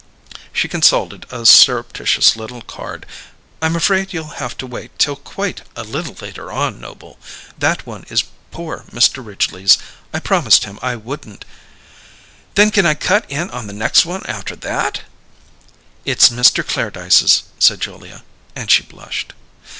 She consulted a surreptitious little card. "I'm afraid you'll have to wait till quite a little later on, Noble. That one is poor Mr. Ridgely's. I promised him I wouldn't " "Then can I cut in on the next one after that?" "It's Mr. Clairdyce's," said Julia and she blushed.